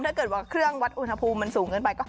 ถ้าเกิดว่าเครื่องวัดอุณหภูมิมันสูงเกินไป